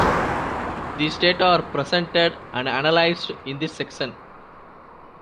These data are presented and analyzed in this section.